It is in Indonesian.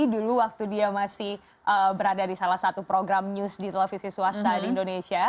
dulu waktu dia masih berada di salah satu program news di televisi swasta di indonesia